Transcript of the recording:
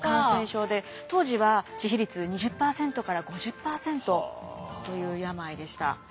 当時は致死率２０％から５０％という病でした。